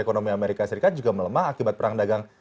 ekonomi amerika serikat juga melemah akibat perang dagang